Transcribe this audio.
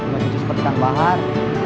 bisa seperti kang bahar